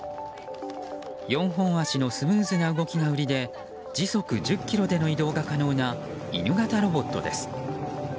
４本足のスムーズな動きが売りで時速１０キロでの移動が可能な犬型ロボットです。